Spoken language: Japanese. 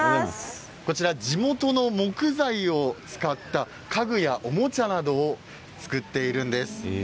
地元の木材を使った家具やおもちゃなどを作っているんです。